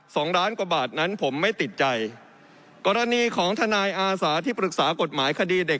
สองล้านกว่าบาทนั้นผมไม่ติดใจกรณีของทนายอาสาที่ปรึกษากฎหมายคดีเด็ก